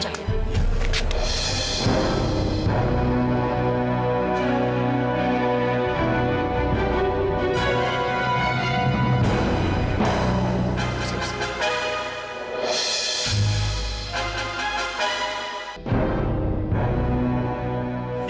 lagi sama keluarganya pramuka